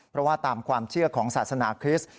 เพราะว่าตามความเชื่อของศาสนาคริสต์